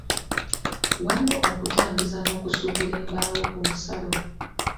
Waliwo okutambuza n'okusuubula embaawo ku nsalo.